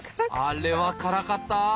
あれは辛かった。